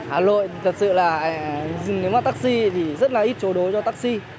hà nội thật sự là nếu mà taxi thì rất là ít chỗ đối cho taxi